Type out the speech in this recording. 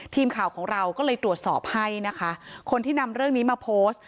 ทีมข่าวของเราก็เลยตรวจสอบให้นะคะคนที่นำเรื่องนี้มาโพสต์